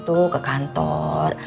tuh ke kantor